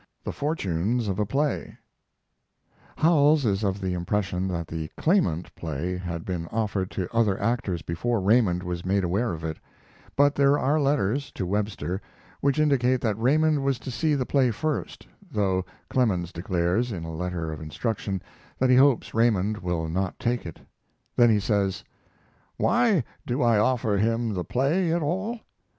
THE FORTUNES OF A PLAY Howells is of the impression that the "Claimant" play had been offered to other actors before Raymond was made aware of it; but there are letters (to Webster) which indicate that Raymond was to see the play first, though Clemens declares, in a letter of instruction, that he hopes Raymond will not take it. Then he says: Why do I offer him the play at all?